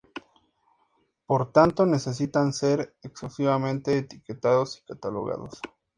Por tanto, necesitan ser exhaustivamente etiquetados y catalogados.